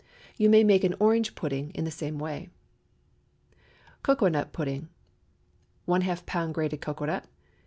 You may make an orange pudding in the same way. COCOANUT PUDDING. ½ lb. grated cocoanut.